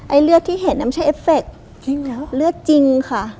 ไอ้เลือดที่เห็นนั้นมันใช่เอฟเฟคเลือดจริงค่ะ